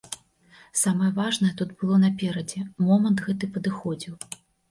Самае важнае тут было наперадзе, момант гэты падыходзіў.